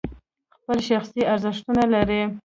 خپل شخصي ارزښتونه لري.